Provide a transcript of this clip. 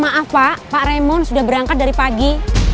maaf pak pak remon sudah berangkat dari pagi